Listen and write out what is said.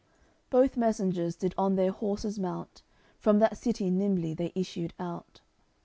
CXCIX Both messengers did on their horses mount; From that city nimbly they issued out.